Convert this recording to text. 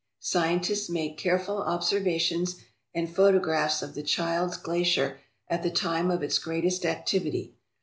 Scientists made careful observations and photographs of the Childs Glacier at the time of its greatest activity.